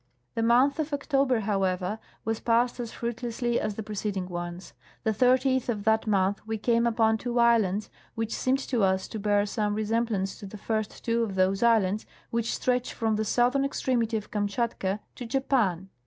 The month of October, however, was passed as fruit lessly as the preceding ones. The 30th of that month we came upon two islands, which seemed to us to bear some resemblance to the first two of those islands which stretch from the' southern extremity of Kamshatka to Japan.